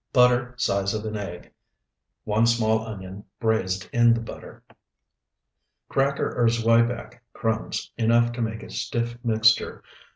Butter size of an egg. 1 small onion, braized in the butter. Cracker or zwieback crumbs enough to make a stiff mixture.